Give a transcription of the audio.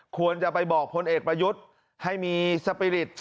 ควรจะไปบอกพลเอกประยุทธ์ให้มีสปีริต